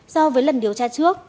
so với lần điều tra trước